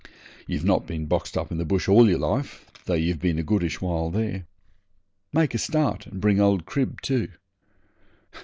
You've not been boxed up in the bush all your life, though you've been a goodish while there. Make a start, and bring old Crib too.'